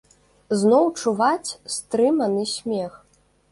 Зноў чуваць стрыманы смех.